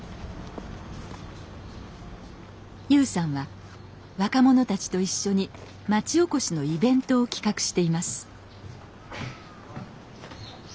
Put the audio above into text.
悠さんは若者たちと一緒に町おこしのイベントを企画しています。